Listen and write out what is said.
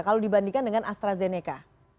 kalau dibandingkan dengan astrazeneca